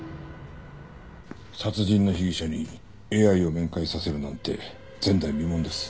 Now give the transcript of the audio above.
殺人の被疑者にＡＩを面会させるなんて前代未聞です。